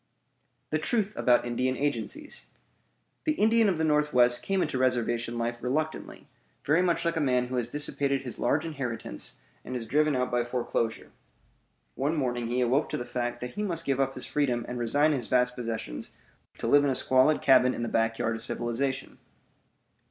THE TRUTH ABOUT INDIAN AGENCIES The Indian of the Northwest came into reservation life reluctantly, very much like a man who has dissipated his large inheritance and is driven out by foreclosure. One morning he awoke to the fact that he must give up his freedom and resign his vast possessions to live in a squalid cabin in the backyard of civilization.